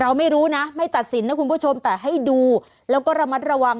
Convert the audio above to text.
เราไม่รู้นะไม่ตัดสินนะคุณผู้ชมแต่ให้ดูแล้วก็ระมัดระวัง